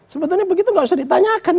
sebetulnya begitu gak usah ditanyakan